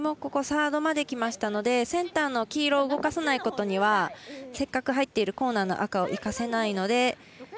サードまできましたのでセンターの黄色を動かさないことにはせっかく入っているコーナーの赤を生かせないので。